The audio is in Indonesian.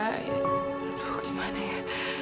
aduh gimana ya